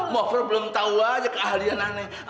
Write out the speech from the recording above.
mover belum tahu aja keahlian aneh